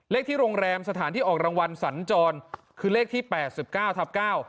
ที่โรงแรมสถานที่ออกรางวัลสัญจรคือเลขที่แปดสิบเก้าทับเก้า